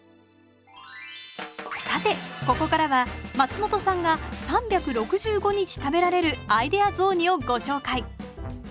さてここからは松本さんが３６５日食べられるアイデア雑煮をご紹介。